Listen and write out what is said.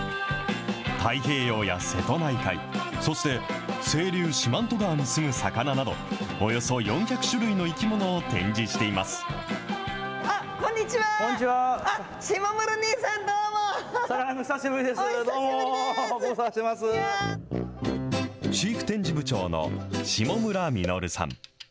太平洋や瀬戸内海、そして清流、四万十川に住む魚など、およそ４００種類の生き物を展示していま飼育展示部長の下村実さん。